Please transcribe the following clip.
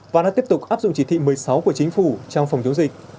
và đang tiếp tục áp dụng chỉ thị một mươi sáu của chính phủ trong phòng chống dịch